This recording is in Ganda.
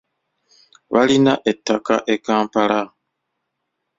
Balina ettaka e Kampala.